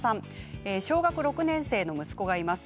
小学６年生の息子がいます。